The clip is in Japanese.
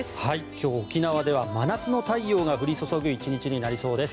今日、沖縄では真夏の太陽が降り注ぐ１日になりそうです。